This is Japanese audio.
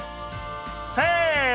せの！